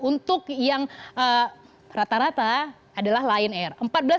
untuk yang rata rata adalah lion air